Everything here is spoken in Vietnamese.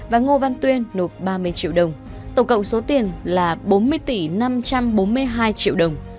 và ngô văn tuyên nộp ba mươi triệu đồng tổng cộng số tiền là bốn mươi tỷ năm trăm bốn mươi hai triệu đồng